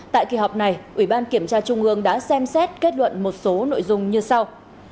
tại kỳ họp này ủy ban kiểm tra trung ương đã xem xét kết luận một số nội dung như sau